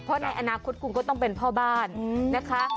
เพราะในอนาคตคุณก็ต้องเป็นพ่อบ้านนะคะ